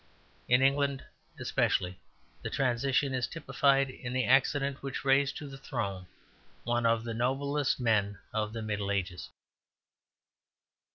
In England especially the transition is typified in the accident which raised to the throne one of the noblest men of the Middle Ages.